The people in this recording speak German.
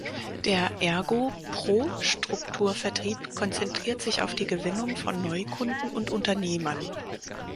Der Ergo Pro-Strukturvertrieb konzentriert sich auf die Gewinnung von Neukunden und Unternehmern.